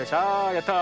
やった。